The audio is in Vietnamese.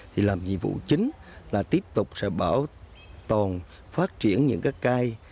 thì làm nhiệm vụ chính là tiếp tục sẽ bảo tồn phát triển những cái cây